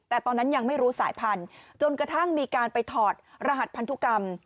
แต่ตอนนั้นยังไม่รู้สายพันธุ์จนกระทั่งมีการไปถอดรหัสพันธุกรรม